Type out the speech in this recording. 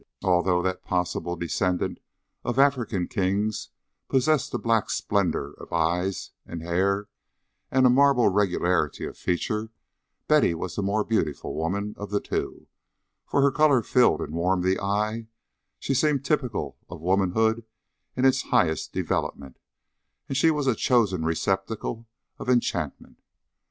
Although that possible descendant of African kings possessed the black splendour of eyes and hair and a marble regularity of feature, Betty was the more beautiful woman of the two; for her colour filled and warmed the eye, she seemed typical of womanhood in its highest development, and she was a chosen receptacle of enchantment.